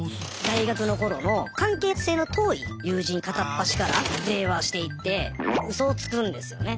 大学の頃の関係性の遠い友人片っ端から電話していってウソをつくんですよね。